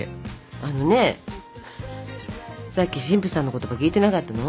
あのねさっき神父さんの言葉聞いてなかったの？